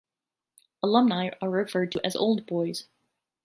Alumni are referred to as "Old Boys".